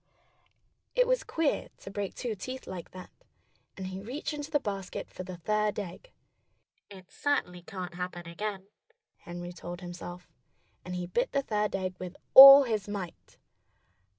It was queer, to break two teeth like that. And he reached into the basket for the third egg. "It certainly can't happen again," Henry told himself. And he bit the third egg with all his might.